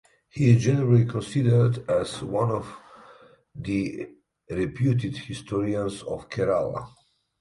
He is generally considered as one of the reputed historians of Kerala.